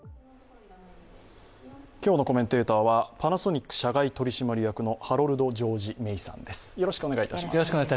今日のコメンテーターはパナソニック社外取締役のハロルド・ジョージ・メイさんです。